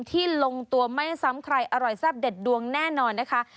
ลงตัวไม่ซ้ำใครอร่อยแซ่บเด็ดดวงแน่นอนนะคะ